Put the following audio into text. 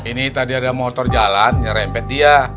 ini tadi ada motor jalan nyerempet dia